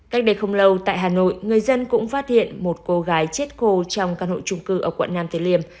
cách đây không lâu tại hà nội người dân cũng phát hiện một cô gái chết cô trong căn hộ trung cư ở quận nam tử liêm